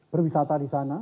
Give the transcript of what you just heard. berwisata di sana